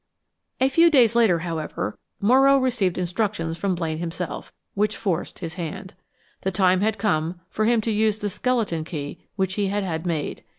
A few days later, however, Morrow received instructions from Blaine himself, which forced his hand. The time had come for him to use the skeleton key which he had had made.